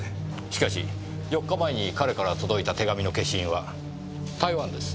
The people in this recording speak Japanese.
しかし４日前に彼から届いた手紙の消印は台湾です。